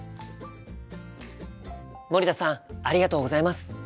森田さんありがとうございます！